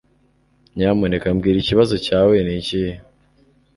Nyamuneka mbwira ikibazo cyawe nikihe?